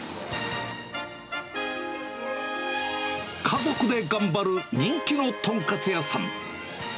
家族で頑張る人気の豚カツ屋さん。